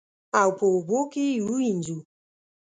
او په اوبو کې یې ووینځو.